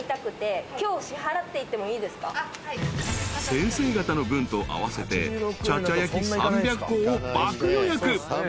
［先生方の分と合わせて茶ちゃ焼３００個を爆予約］